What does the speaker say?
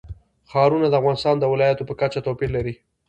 ښارونه د افغانستان د ولایاتو په کچه توپیر لري.